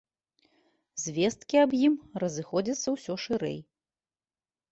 Звесткі аб ім разыходзяцца ўсё шырэй.